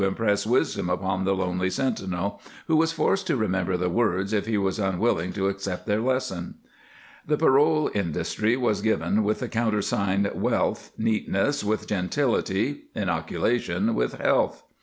19 [ 145 ] The Private Soldier Under Washington wisdom upon the lonely sentinel, who was forced to remember the words if he was unwilling to accept their lesson. The parole Industry was given with the countersign Wealth, Neatness with Gentility, Inoculation with Health.